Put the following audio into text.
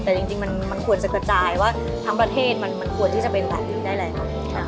แต่จริงมันควรจะกระจายว่าทั้งประเทศมันควรที่จะเป็นแบบนี้ได้แล้ว